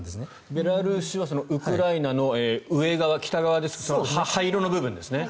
ベラルーシはウクライナの上側、北側灰色の部分ですね。